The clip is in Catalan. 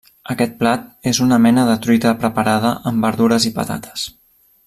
Aquest plat és una mena de truita preparada amb verdures i patates.